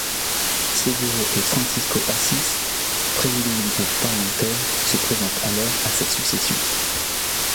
Seguro et Francisco Assis, président du groupe parlementaire, se présentent alors à sa succession.